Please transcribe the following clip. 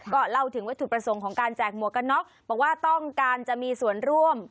ก็เล่าถึงวัตถุประสงค์ของการแจกหมวกกันน็อกบอกว่าต้องการจะมีส่วนร่วม